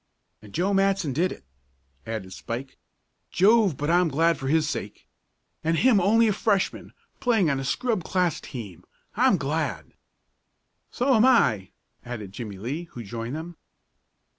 "And Joe Matson did it!" added Spike. "Jove! but I'm glad for his sake! And him only a Freshman, playing on a scrub class team. I'm glad!" "So am I," added Jimmie Lee, who joined them.